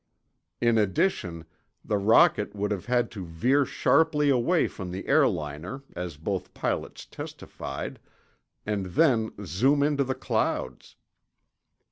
In addition, the rocket would have had to veer sharply away from the airliner, as both pilots testified, and then zoom into the clouds.